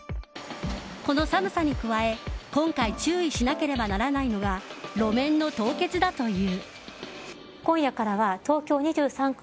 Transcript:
この寒さに加え今回注意しなければならないのが路面の凍結だという。